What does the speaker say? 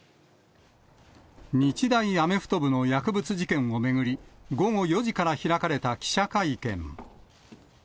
日大アメフト部の薬物事件を巡り、午後４時から開かれた記者会見。